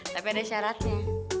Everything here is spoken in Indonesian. tapi ada syaratnya